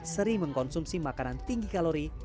sering mengkonsumsi makanan tinggi kalori